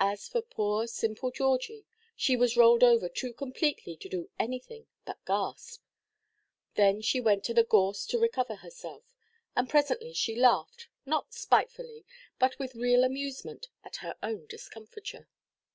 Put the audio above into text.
As for poor simple Georgie, she was rolled over too completely to do anything but gasp. Then she went to the gorse to recover herself; and presently she laughed, not spitefully, but with real amusement at her own discomfiture.